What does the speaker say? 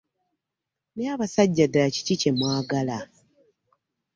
Naye abasajja ddala kiki kye mwagala?